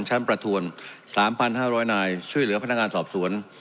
ชั้นประทวนสามพันห้าร้อยนายช่วยเหลือพนักงานสอบสวน